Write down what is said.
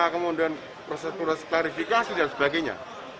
kemudian proses proses klarifikasi dan sebagainya